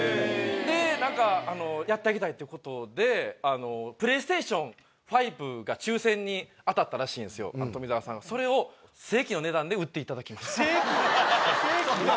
で何かやってあげたいっていうことでＰｌａｙＳｔａｔｉｏｎ５が抽選に当たったらしいんですよ富澤さんそれを正規の値段で売っていただきました。